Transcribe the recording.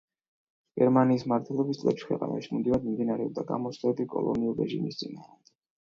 გერმანიის მმართველობის წლებში ქვეყანაში მუდმივად მიმდინარეობდა გამოსვლები კოლონიალური რეჟიმის წინააღმდეგ.